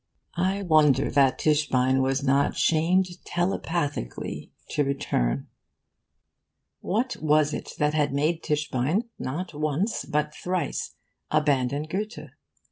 And I wonder that Tischbein was not shamed, telepathically, to return. What was it that had made Tischbein not once, but thrice abandon Goethe?